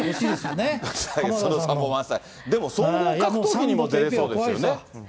でも、総合格闘技にも出れそうですよね。